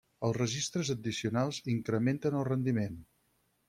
Els registres addicionals incrementen el rendiment.